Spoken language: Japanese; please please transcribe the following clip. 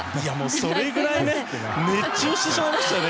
それくらい熱中してしまいましたよね